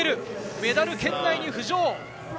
メダル圏内に浮上。